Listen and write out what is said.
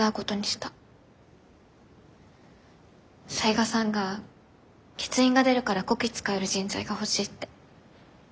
雑賀さんが欠員が出るからこき使える人材が欲しいって。